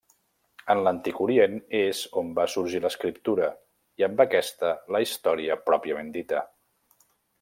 En l'antic Orient és on va sorgir l'escriptura i, amb aquesta, la història pròpiament dita.